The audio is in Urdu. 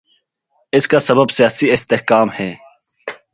اس کا سبب سیاسی استحکام ہے۔